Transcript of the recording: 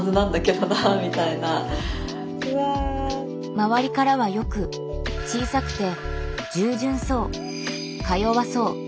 周りからはよく小さくて「従順そう」「か弱そう」